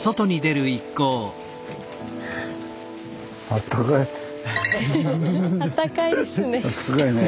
あったかいね。